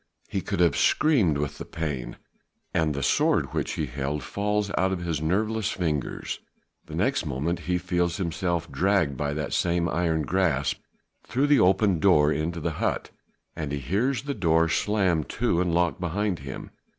He could have screamed with the pain, and the sword which he held falls out of his nerveless fingers. The next moment he feels himself dragged by that same iron grasp through the open door into the hut, and hears the door slammed to and locked behind him.